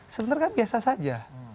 sebenarnya kan biasa saja